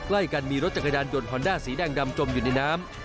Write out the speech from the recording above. ใกล้กันมีรถจักรยานยนต์ฮอนด้าสีแดงดำจมอยู่ในน้ำ